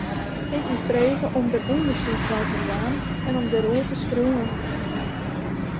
Ik wie frege om dêr ûndersyk nei te dwaan en om dêroer te skriuwen.